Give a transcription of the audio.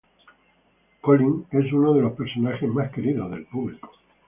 Colleen es uno de los personajes más queridos del público.